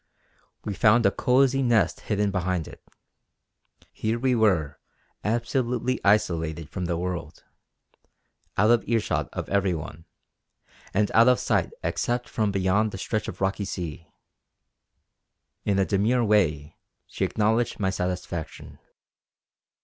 We found a cosy nest hidden behind it. Here we were absolutely isolated from the world; out of earshot of every one, and out of sight except from beyond the stretch of rocky sea. In a demure way she acknowledged my satisfaction.